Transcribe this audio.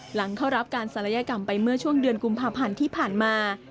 หลังเข้ารับการศัลยกรรมไปเมื่อช่วงเดือนกุมภาพันธ์ที่ผ่านมา